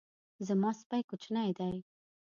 زما سپی کوچنی دی